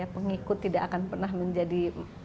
pengikut tidak akan pernah menjadi